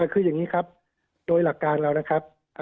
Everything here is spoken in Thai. คืออย่างนี้ครับโดยหลักการเรานะครับ